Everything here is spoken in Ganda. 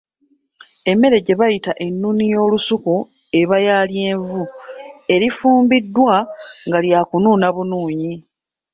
Emmere gye bayita ennuuni y’olusuku eba ya lyenvu erifumbiddwa nga lyakunuuna bunnunyi.